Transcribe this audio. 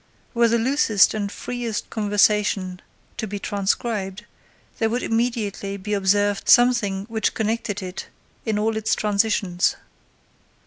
Were the loosest and freest conversation to be transcribed, there would immediately be observed something which connected it in all its transitions.